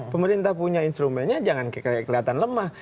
pemerintah punya instrumennya jangan kelihatan lemah